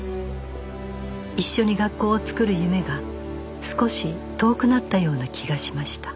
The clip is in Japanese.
一緒に学校を作る夢が少し遠くなったような気がしました